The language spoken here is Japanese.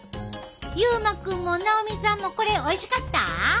優真くんも菜央美さんもこれおいしかった？